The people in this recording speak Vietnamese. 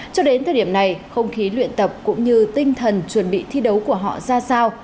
cho đến thời điểm này không khí luyện tập cũng như tinh thần chuẩn bị thi đấu của họ ra sao